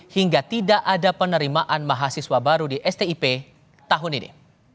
hingga tidak ada penerimaan mahasiswa baru di stip tahun ini